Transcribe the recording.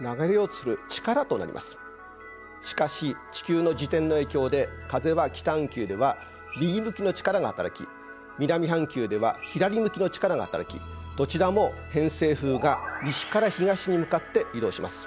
しかし地球の自転の影響で風は北半球では右向きの力が働き南半球では左向きの力が働きどちらも偏西風が西から東に向かって移動します。